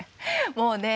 もうね